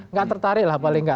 gak tertarik lah paling enggak